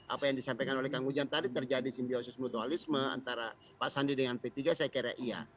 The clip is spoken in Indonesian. apa yang disampaikan oleh kang ujang tadi terjadi simbiosis mutualisme antara pak sandi dengan p tiga saya kira iya